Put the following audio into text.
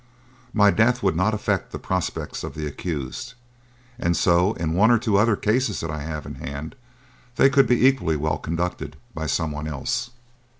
My death would not affect the prospects of the accused. And so in one or two other cases that I have in hand; they could be equally well conducted by someone else.